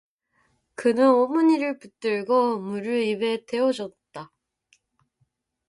그는 어머니를 붙들고 물을 입에 대어 주었다.